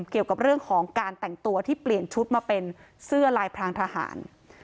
เกี่ยวกับเรื่องของการแต่งตัวที่เปลี่ยนชุดมาเป็นเสื้อลายพรางทหาร